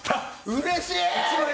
うれしい！